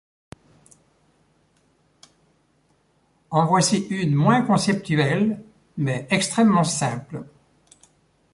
En voici une moins conceptuelle mais extrêmement simple.